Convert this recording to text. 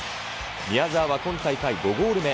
宮澤は今大会５ゴール目。